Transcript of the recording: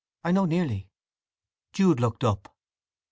I know nearly." Jude looked up.